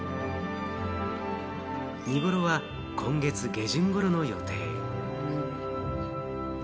見ごろは今月下旬ごろの予定。